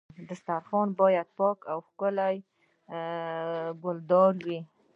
دسترخوان باید پاک او ښکلی او ګلدار وي.